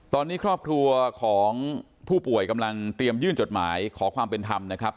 ตอนนี้ครอบครัวของผู้ป่วยกำลังเตรียมยื่นจดหมายขอความเป็นธรรมนะครับ